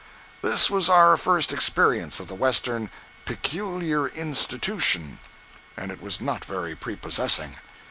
This was our first experience of the western "peculiar institution," and it was not very prepossessing.